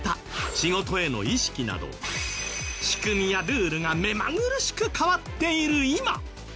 仕事への意識など仕組みやルールが目まぐるしく変わっている今。